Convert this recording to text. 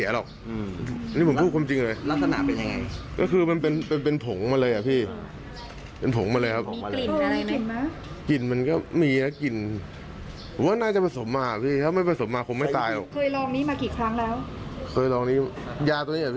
รู้สึกลอย